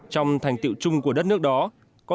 trong thành tiệu chung của đất nước đó